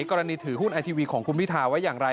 กรณีถือหุ้นไอทีวีของคุณพิทาไว้อย่างไร